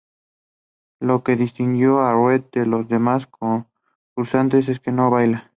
Lo que distinguió a Reed de los demás concursantes es que no baila.